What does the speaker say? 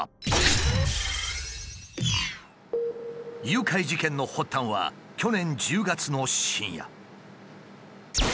誘拐事件の発端は去年１０月の深夜。